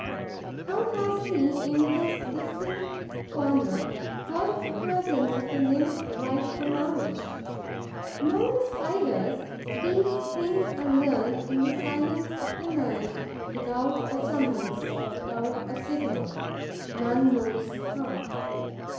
How has he, in his distant corner, heard of the presence of the nymph ripe for marriage? Among the Spiders, these things are learnt in the silence of the night, without a summons, without a signal, none knows how.